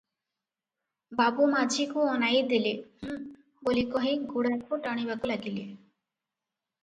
ବାବୁ ମାଝିକୁ ଅନାଇ ଦେଲେ - 'ହୁଁ' ବୋଲି କହି ଗୁଡାଖୁ ଟାଣିବାକୁ ଲାଗିଲେ ।